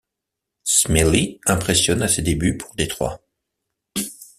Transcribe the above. Smyly impressionne à ses débuts pour Detroit.